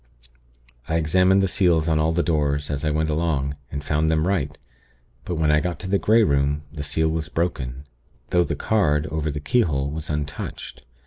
"I examined the seals on all the doors, as I went along, and found them right; but when I got to the Grey Room, the seal was broken; though the card, over the keyhole, was untouched.